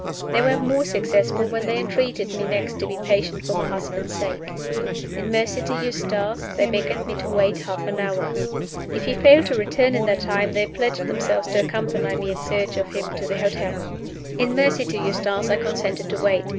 They were more successful when they entreated me next to be patient for my husband's sake. In mercy to Eustace, they begged me to wait half an hour. If he failed to return in that time, they pledged themselves to accompany me in search of him to the hotel. In mercy to Eustace I consented to wait.